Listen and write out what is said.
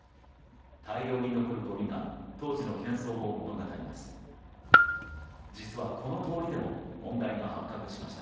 大量に残るごみが当時の喧騒を物語ります。